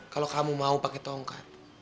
kalau kamu mau pakai tongkat